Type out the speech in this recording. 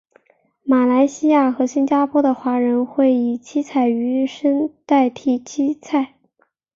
马来西亚和新加坡的华人会以七彩鱼生代替七菜。